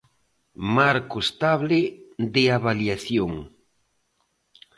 Marco estable de avaliación.